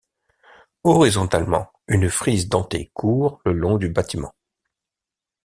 Horizontalement, une frise dentée court le long du bâtiment.